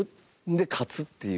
で、勝つっていう。